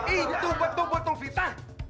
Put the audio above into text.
itu betul betul fitnah